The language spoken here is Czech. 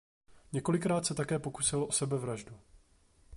Několikrát se také pokusil o sebevraždu.